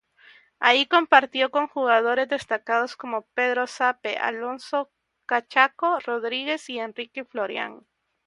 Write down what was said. Allí compartió con jugadores destacados como Pedro Zape, Alonso "Cachaco" Rodríguez y Enrique Florian.